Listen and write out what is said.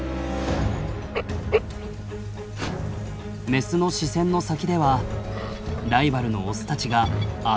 メスの視線の先ではライバルのオスたちがアピール合戦。